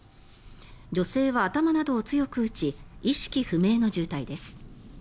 女性は頭などを強く打ち意識不明の重体です。